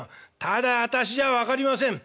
「ただ『私』じゃ分かりません。